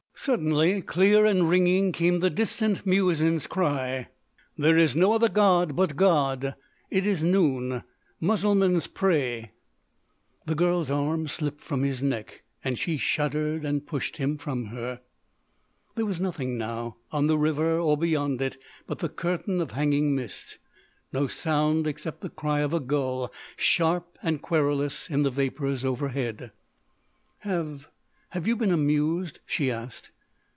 Suddenly, clear and ringing came the distant muezzin's cry: "There is no other god but God!... It is noon. Mussulmans, pray!" The girl's arm slipped from his neck and she shuddered and pushed him from her. There was nothing, now, on the river or beyond it but the curtain of hanging mist; no sound except the cry of a gull, sharp and querulous in the vapours overhead. "Have—have you been amused?" she asked.